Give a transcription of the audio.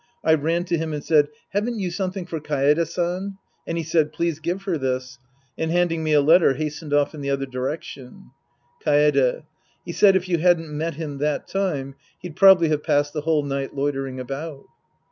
I ran to him and said, " Haven't you something for Kaede San ?" and he said, " Please give her this," and handing me a letter, hastened off in the other direction. Kaede. He said if you hadn't met him that time, he'd probably have passed the whole night loiter ing about.